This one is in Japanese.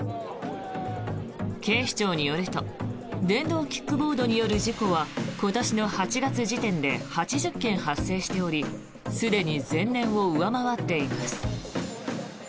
警視庁によると電動キックボードによる事故は今年の８月時点で８０件発生しておりすでに前年を上回っています。